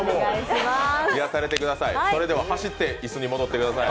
癒やされてください。